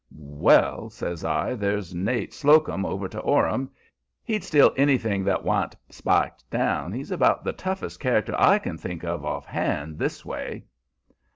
"Well," says I, "there's Nate Slocum over to Orham. He'd steal anything that wa'n't spiked down. He's about the toughest character I can think of, offhand, this way."